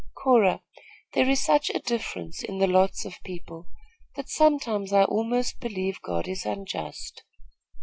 "Cora, there is such a difference in the lots of people, that sometimes I almost believe God is unjust."